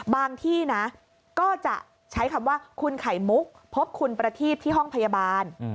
ที่นะก็จะใช้คำว่าคุณไข่มุกพบคุณประทีบที่ห้องพยาบาล